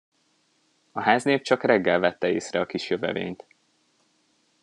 A háznép csak reggel vette észre a kis jövevényt.